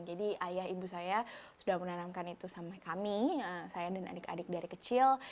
jadi ayah ibu saya sudah menanamkan itu sama kami saya dan adik adik dari kecil